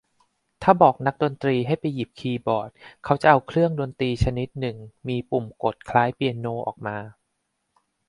ถ้าบอกนักดนตรีให้ไปหยิบคีย์บอร์ด เขาจะเอาเครื่องดนตรีชนิดหนึ่งมีปุ่มกดคล้ายเปียโนออกมา